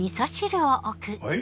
はい！